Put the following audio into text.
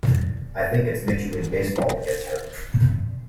I think it's Major League Baseball that gets hurt.